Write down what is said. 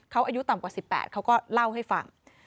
เขาอายุต่ำกว่า๑๘เขาก็เล่าให้ฟัง